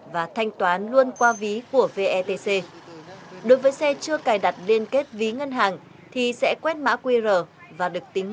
và thanh toán luôn qua ví của vetc đối với xe chưa cài đặt liên kết ví ngân hàng thì sẽ quét mã qr và được tính